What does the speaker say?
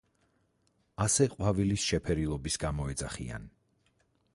ასე ყვავილის შეფერილობის გამო ეძახიან.